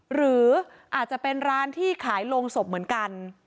หรืออาจจะเป็นร้านที่ขายโรงศพเหมือนกัน